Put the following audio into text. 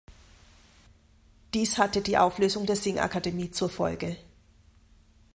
Dies hatte die Auflösung der Singakademie zur Folge.